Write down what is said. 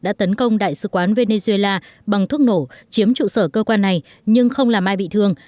đại sứ quán venezuela đã tấn công đại sứ quán venezuela bằng thuốc nổ chiếm trụ sở cơ quan này nhưng không làm ai bị thương